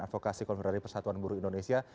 advokasi konferensi persatuan buruh indonesia